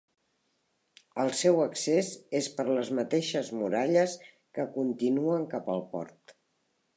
El seu accés és per les mateixes muralles que continuen cap al port.